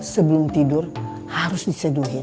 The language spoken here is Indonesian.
sebelum tidur harus diseduhin